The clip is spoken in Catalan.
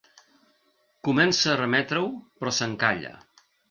Comença a reemetre-ho, però s'encalla.